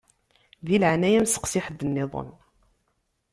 Di leɛnaya-m steqsi ḥedd-nniḍen.